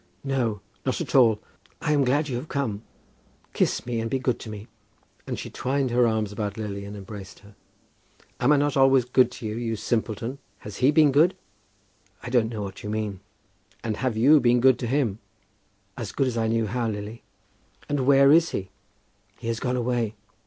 "No; not at all. I am glad you have come. Kiss me, and be good to me." And she twined her arms about Lily and embraced her. "Am I not always good to you, you simpleton? Has he been good?" "I don't know what you mean?" "And have you been good to him?" "As good as I knew how, Lily." "And where is he?" "He has gone away.